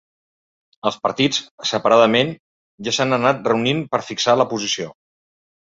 Els partits, separadament, ja s’han anat reunint per fixar la posició.